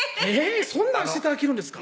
そんなんして頂けるんですか？